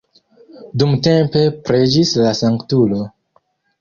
Dumtempe preĝis la sanktulo.